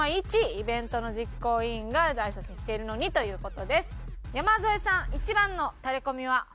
イベントの実行委員があいさつに来ているのにという事です。